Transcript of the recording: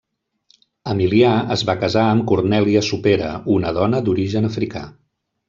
Emilià es va casar amb Cornèlia Supera, una dona d'origen africà.